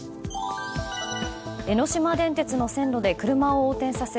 江ノ島電鉄の線路で車を横転させ